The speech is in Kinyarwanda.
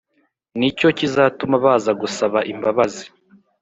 Ni cyo kizatuma baza gusaba imbabazi